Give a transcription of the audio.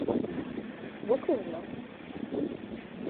Bu kız mı?